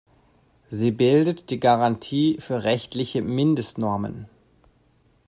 Sie bildet die Garantie für rechtliche Mindestnormen.